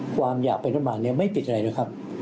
ความอยากไปรัฐบาลเนี่ยไม่ปิดอะไรนะครับ